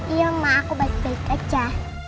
iya emak aku baik baik aja